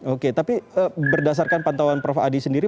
oke tapi berdasarkan pantauan prof adi sendiri